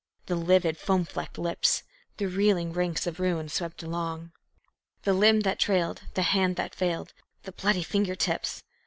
the livid, foam flecked lips! The reeling ranks of ruin swept along! The limb that trailed, the hand that failed, the bloody finger tips!